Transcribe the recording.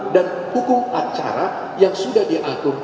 dan hukum acara yang sudah diatur